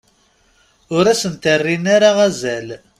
Ur asent-rrin ara azal.